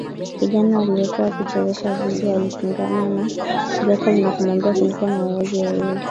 Kijana aliyekuwa akichezesha video alipingana na Jacob na kumwambia kulikuwa na wauaji wawili